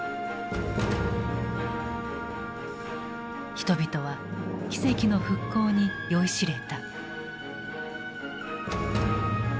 人々は奇跡の復興に酔いしれた。